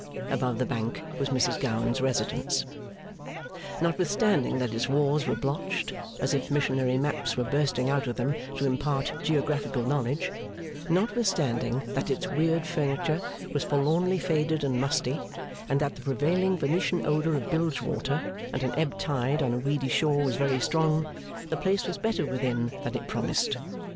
Above the Bank was Mrs Gowan's residence. Notwithstanding that its walls were blotched, as if missionary maps were bursting out of them to impart geographical knowledge; notwithstanding that its weird furniture was forlornly faded and musty, and that the prevailing Venetian odour of bilge water and an ebb tide on a weedy shore was very strong; the place was better within, than it promised.